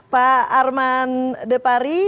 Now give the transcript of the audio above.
pak arman depari